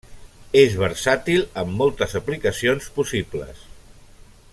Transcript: És versàtil amb moltes aplicacions possibles.